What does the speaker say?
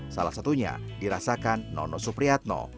salah satunya dirasakan nono supriyatno